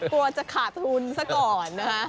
กลัวจะขาดทุนซะก่อนนะฮะ